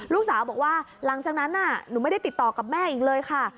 ลูกสาวบอกว่าหลังจากนั้นน่ะหนูไม่ได้ติดต่อกับแม่อีกเลยค่ะ